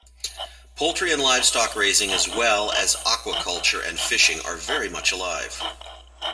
Poultry and livestock raising as well as aquaculture and fishing are very much alive.